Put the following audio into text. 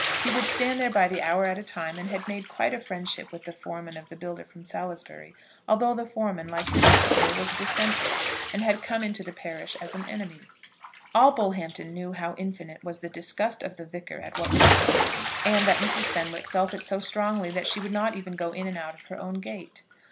He would stand there by the hour at a time, and had made quite a friendship with the foreman of the builder from Salisbury, although the foreman, like his master, was a Dissenter, and had come into the parish as an enemy. All Bullhampton knew how infinite was the disgust of the Vicar at what was being done; and that Mrs. Fenwick felt it so strongly, that she would not even go in and out of her own gate.